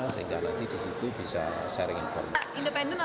sehingga nanti disitu bisa sharing informasi